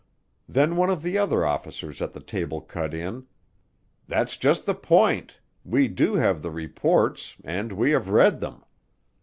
Then one of the other officers at the table cut in, "That's just the point, we do have the reports and we have read them.